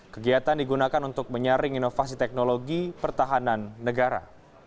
kegiatan digunakan untuk menyaring inovasi teknologi pertahanan negara